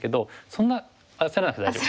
そんな焦らなくて大丈夫。